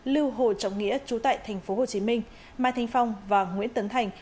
lưu hồ trọng nghĩa chú tại tp hcm mai thanh phong và nguyễn tấn thành